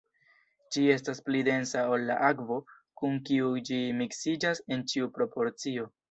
Ĝi estas pli densa ol la akvo, kun kiu ĝi miksiĝas en ĉiu proporcio.